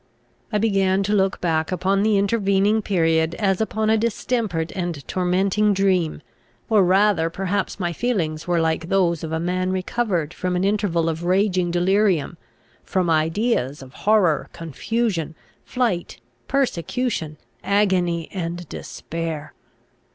I began to look back upon the intervening period as upon a distempered and tormenting dream; or rather perhaps my feelings were like those of a man recovered from an interval of raging delirium, from ideas of horror, confusion, flight, persecution, agony, and despair!